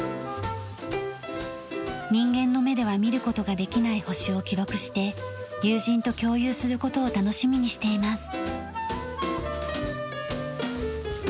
人間の目では見る事ができない星を記録して友人と共有する事を楽しみにしています。